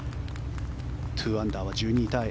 ２アンダーは１２位タイ。